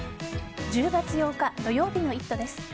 １０月８日土曜日の「イット！」です。